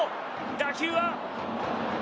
打球は。